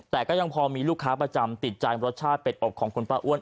แต่ก็ยังพอมีลูกค้าประจำติดใจรสชาติเป็ดอบของคุณป้าอ้วน